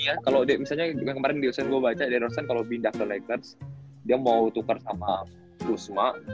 iya kalo misalnya kemarin di lesson gua baca drauzan kalo pindah ke lakers dia mau tukar sama usma